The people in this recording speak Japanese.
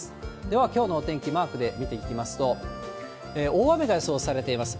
では、きょうのお天気、マークで見ていきますと、大雨が予想されています。